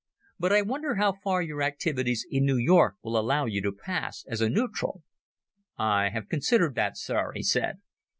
But I wonder how far your activities in New York will allow you to pass as a neutral?" "I have considered that, Sir," he said.